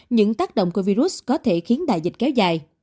những tác động của virus có thể khiến đại dịch kéo dài